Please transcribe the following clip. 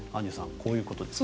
こういうことですね。